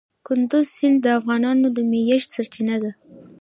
کندز سیند د افغانانو د معیشت سرچینه ده.